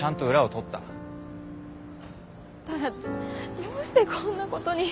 だったらどうしてこんなことに。